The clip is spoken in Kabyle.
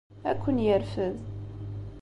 Ad ken-yerfed.